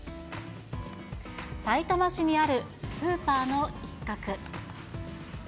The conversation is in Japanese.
さいたま市にあるスーパーの一角。